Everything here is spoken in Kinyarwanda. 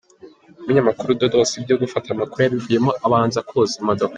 Umunyamakuru Dodos ibyo gufata amakuru yabivuyemo abanza koza imodoka.